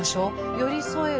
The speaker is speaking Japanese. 寄り添える